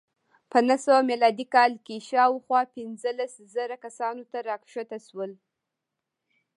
په نهه سوه میلادي کال کې شاوخوا پنځلس زره کسانو ته راښکته شول